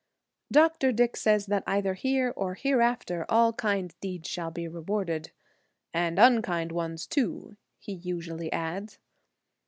Dr. Dick says that either here or hereafter all kind deeds shall be rewarded; "and unkind ones, too," he usually adds.